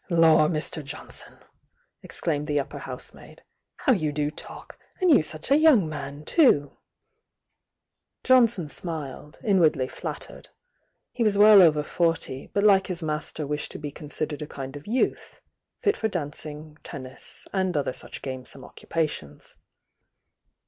"Lor, Mr. Jonson!" exclaimed the upper house maid— "How you do talk!— and you such a young man too!" Jonson smiled, inwardly flattered. He was well over forty, but like his master wished to be consid ered a kind of youth, fit for dancing, tennis and other such gamesome occupations.